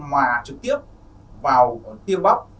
anh ta đặt trực tiếp vào tiêu bắp